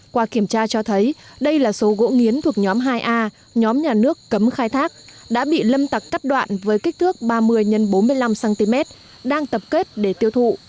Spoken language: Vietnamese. qua kiểm tra cho thấy đây là số gỗ nghiến thuộc nhóm hai a nhóm nhà nước cấm khai thác đã bị lâm tặc cắt đoạn với kích thước ba mươi x bốn mươi năm cm đang tập kết để tiêu thụ